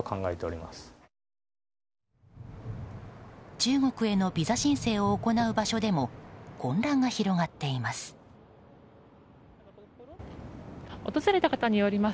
中国へのビザ申請を行う場所でも混乱が広がっています。